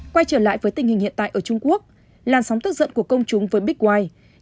quay trở lại với tình hình hiện tại ở trung quốc làn sóng tức giận của công chúng với bigi